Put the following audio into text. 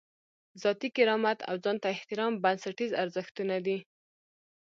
ذاتي کرامت او ځان ته احترام بنسټیز ارزښتونه دي.